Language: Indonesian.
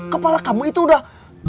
kepala kamu itu udah